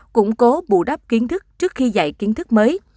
củng cố bù đắp kiến thức trước khi dạy kiến thức mới